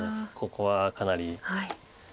ここはかなり。